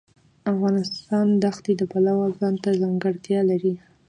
افغانستان د ښتې د پلوه ځانته ځانګړتیا لري.